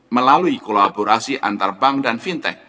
melalui kolaborasi antar bank dan fintech